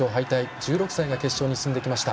１６歳が決勝に進んできました。